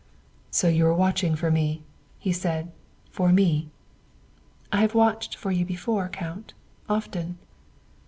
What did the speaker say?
'' So you were watching for me, '' he said '' for me. ''" I have watched for you before, Count often."